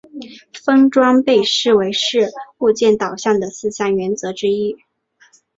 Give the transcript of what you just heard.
封装被视为是物件导向的四项原则之一。